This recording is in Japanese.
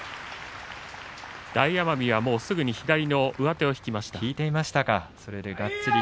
大奄美、すぐ左の上手を引いていました。